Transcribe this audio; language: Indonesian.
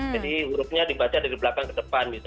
jadi hurufnya dibaca dari belakang ke depan misalnya